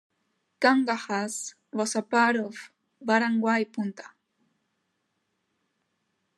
Kanghagas was a part of barangay Punta.